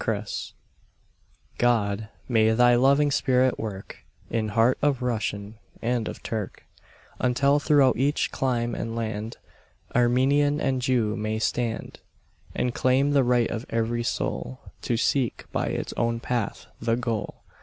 PETITION God, may Thy loving Spirit work, In heart of Russian, and of Turk, Until throughout each clime and land, Armenian and Jew may stand, And claim the right of every soul To seek by its own path, the goal.